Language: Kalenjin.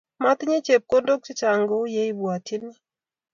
Motinye chepkondokc chechang kouye ibwatyini